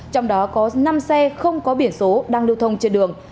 trong đó có năm xe không có biển số đang lưu thông trên đường